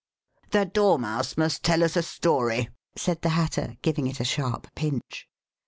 "The Dormouse must tell us a story," said the Hatter, giving it a sharp pinch.